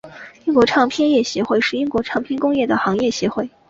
英国唱片业协会是英国唱片工业的行业协会。